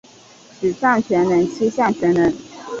十项全能七项全能